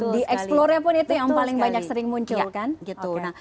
di explore pun itu yang paling banyak sering muncul kan gitu